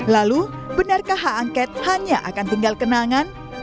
lalu benarkah hak angket hanya akan tinggal kenangan